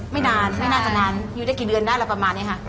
ไม่นานไม่น่าจะนานอยู่ได้กี่เดือนได้แล้วประมาณนี้ค่ะ